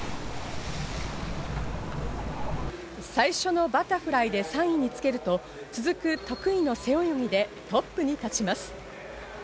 最初のバタフライで３位につけると、続く得意の背泳ぎでトップに立ちます。